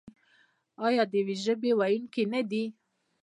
آیا د یوې ژبې ویونکي نه دي؟